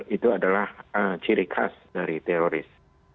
itu adalah ciri khas dari teroris